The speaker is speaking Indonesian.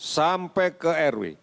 sampai ke rw